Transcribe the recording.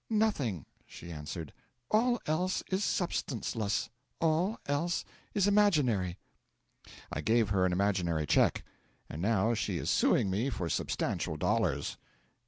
'Nothing,' she answered. 'All else is substanceless, all else is imaginary.' I gave her an imaginary cheque, and now she is suing me for substantial dollars.